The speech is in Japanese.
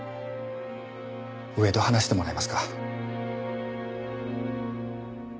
上と話してもらえますか？